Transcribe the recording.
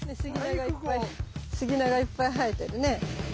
スギナがいっぱい生えてるね。